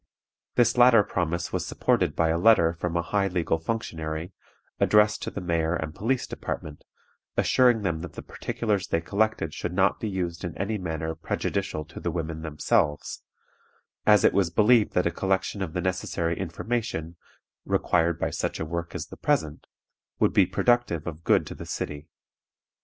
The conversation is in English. This latter promise was supported by a letter from a high legal functionary addressed to the Mayor and Police Department, assuring them that the particulars they collected should not be used in any manner prejudicial to the women themselves, as it was believed that a collection of the necessary information required by such a work as the present would be productive of good to the city.